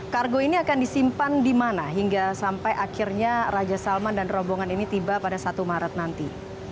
kargo ini akan disimpan di mana hingga sampai akhirnya raja salman dan rombongan ini tiba pada satu maret nanti